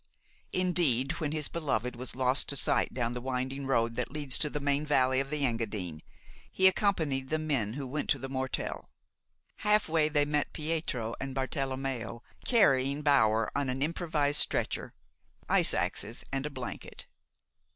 Indeed, when his beloved was lost to sight down the winding road that leads to the main valley of the Engadine, he accompanied the men who went to the Mortel. Halfway they met Pietro and Bartelommeo carrying Bower on an improvised stretcher, ice axes and a blanket.